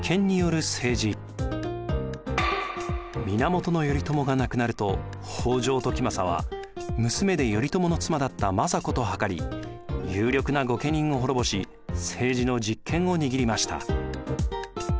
源頼朝が亡くなると北条時政は娘で頼朝の妻だった政子と謀り有力な御家人を滅ぼし政治の実権を握りました。